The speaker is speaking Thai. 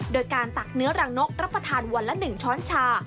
โดยการตักเนื้อรังนกรับประทานวันละ๑ช้อนชา